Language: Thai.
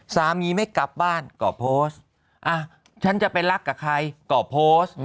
สามีไม่กลับบ้านก่อโพสต์ฉันจะไปรักกับใครก่อโพสต์